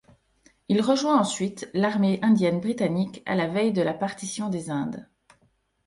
Il rejoint ensuite l'armée indienne britannique à la veille de la partition des Indes.